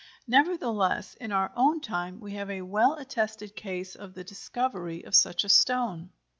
Nevertheless, in our own time we have a well attested case of the discovery of such a stone.